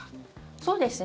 そうですね。